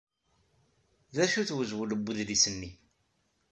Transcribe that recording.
D acu-t wezwel n wedlis-nni?